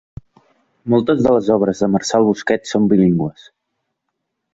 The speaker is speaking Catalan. Moltes de les obres de Marçal Busquets són bilingües.